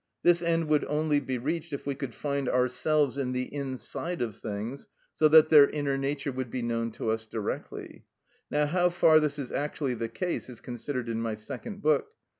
This end would only be reached if we could find ourselves in the inside of things, so that their inner nature would be known to us directly. Now, how far this is actually the case is considered in my second book.